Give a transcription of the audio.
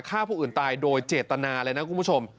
ฆ่าผู้อื่นตายโดยเจตนาเลยนะคุณผู้ชม